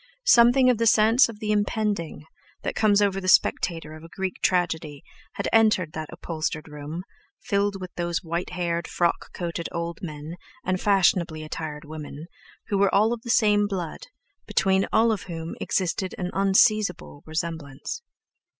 Something of the sense of the impending, that comes over the spectator of a Greek tragedy, had entered that upholstered room, filled with those white haired, frock coated old men, and fashionably attired women, who were all of the same blood, between all of whom existed an unseizable resemblance.